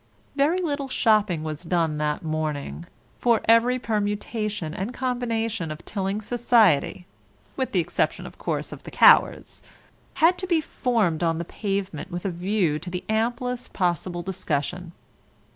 Very little shopping was done that morning, for every permutation and combination of Tilling society (with the exception, of course, of the cowards) had to be formed on the pavement with a view to the amplest possible discussion.